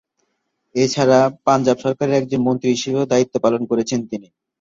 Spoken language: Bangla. এছাড়া, পাঞ্জাব সরকারের একজন মন্ত্রী হিসেবেও দায়িত্ব পালন করেছেন তিনি।